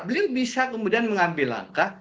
beliau bisa kemudian mengambil langkah